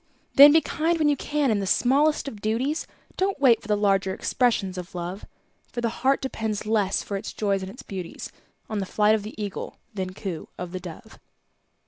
Then be kind when you can in the smallest of duties, Don't wait for the larger expressions of Love; For the heart depends less for its joys and its beauties On the flight of the Eagle than coo of the Dove.